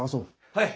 はい！